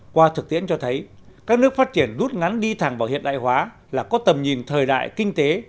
qua thực tiễn cho thấy các nước phát triển rút ngắn đi thẳng vào hiện đại hóa là có tầm nhìn thời đại kinh tế